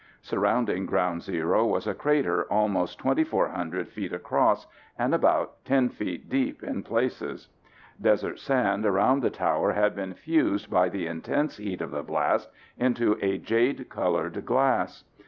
Surrounding ground zero was a crater almost 2,400 feet across and about ten feet deep in places. Desert sand around the tower had been fused by the intense heat of the blast into a jade colored glass.